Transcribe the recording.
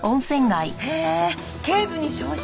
へえ警部に昇進。